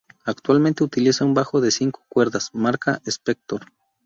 Actualmente utiliza un bajo de cinco cuerdas, marca Spector.